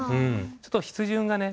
ちょっと筆順がね